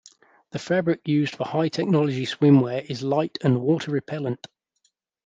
The fabric used for high-technology swimwear is light and water-repellent.